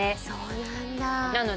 そうなんだ